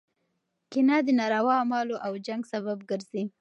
کینه د ناروا اعمالو او جنګ سبب ګرځي.